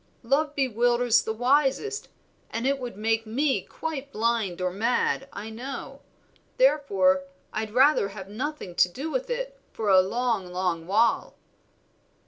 Love bewilders the wisest, and it would make me quite blind or mad, I know; therefore I'd rather have nothing to do with it, for a long, long while."